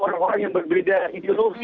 orang orang yang berbeda ideologi